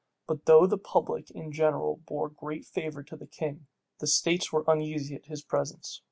But though the public in general bore great favor to the king, the states were uneasy at his presence.